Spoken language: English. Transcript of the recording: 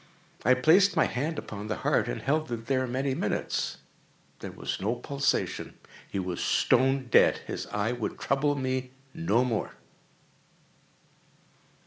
I placed my hand upon the heart and held it there many minutes. There was no pulsation. He was stone dead. His eye would trouble me no more.